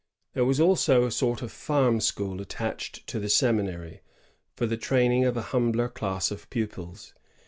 There was also a sort of &rm school attached to the seminary, for the training of a humbler class of pupils.